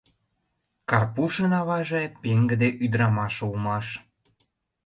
Карпушын аваже — пеҥгыде ӱдырамаш улмаш...